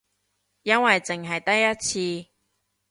因為淨係得一次